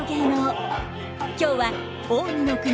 今日は近江の国